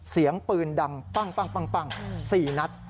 เสียงปืนดังปั้ง๔นัด